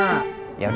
ini sama yang ini